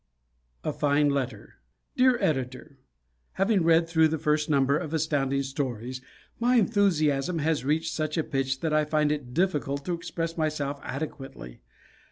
A Fine Letter Dear Editor: Having read through the first number of Astounding Stories, my enthusiasm has reached such a pitch that I find it difficult to express myself adequately.